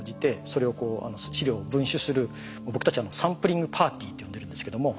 研究者の僕たち「サンプリングパーティー」って呼んでるんですけども。